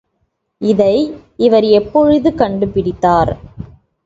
இதை இவர் எப்பொழுது கண்டுபிடித்தார்.